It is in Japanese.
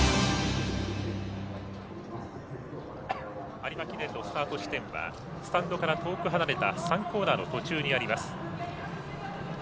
有馬記念のスタート地点はスタンドから遠く離れた３コーナーの途中にあります。